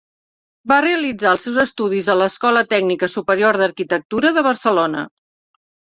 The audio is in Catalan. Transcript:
Va realitzar els seus estudis a l'Escola Tècnica Superior d'Arquitectura de Barcelona.